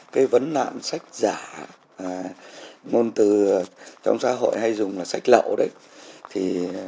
cái vấn nạn sách giả ngôn từ trong xã hội hay dùng là sách lậu đấy